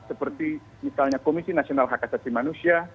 seperti misalnya komisi nasional hak asasi manusia